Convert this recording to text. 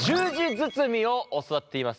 包みを教わっています。